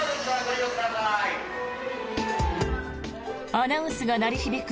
アナウンスが鳴り響く